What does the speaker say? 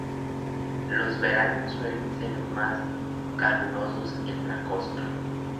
Los veranos suelen ser más calurosos que en la costa.